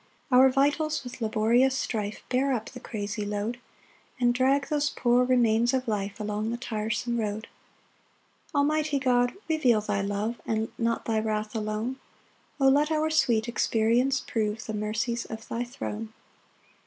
5 [Our vitals with laborious strife Bear up the crazy load, And drag those poor remains of life Along the tiresome road.] 6 Almighty God, reveal thy love, And not thy wrath alone; O let our sweet experience prove The mercies of thy throne!